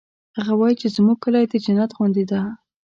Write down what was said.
هغه وایي چې زموږ کلی د جنت غوندی ده